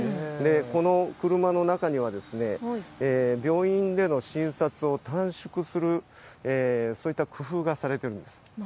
この車の中には病院での診察を短縮するそういった工夫がされています。